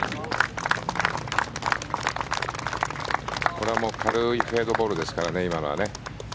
これは軽いフェードボールですからね、今のは。